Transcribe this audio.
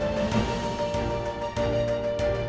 ini ada apa sih